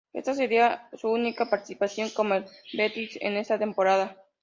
Esta sería su única participación con el Betis en esa temporada.